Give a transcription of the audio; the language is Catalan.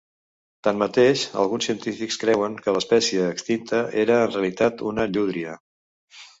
Tanmateix, alguns científics creuen que l'espècie extinta era en realitat una llúdria.